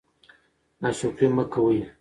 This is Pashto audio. ناشکري مه کوئ.